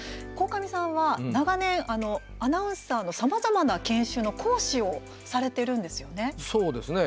鴻上さんは、長年アナウンサーのさまざまな研修の講師をされてるんですよね。